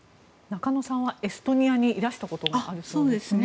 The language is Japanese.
中野さんはエストニアにいらしたことがあるそうですね。